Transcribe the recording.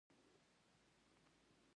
قوم پالنه اداره خرابوي